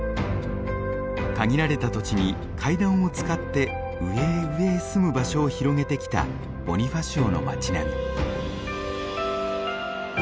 限られた土地に階段を使って上へ上へ住む場所を広げてきたボニファシオの町並み。